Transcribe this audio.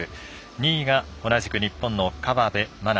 ２位が同じく日本の河辺愛菜